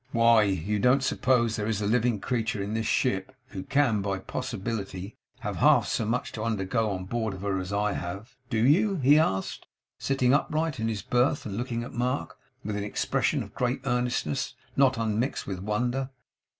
Why, you don't suppose there is a living creature in this ship who can by possibility have half so much to undergo on board of her as I have? Do you?' he asked, sitting upright in his berth and looking at Mark, with an expression of great earnestness not unmixed with wonder.